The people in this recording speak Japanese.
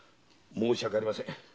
申し訳ありません。